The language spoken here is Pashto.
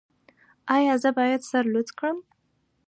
ایا زه باید سر لوڅ کړم؟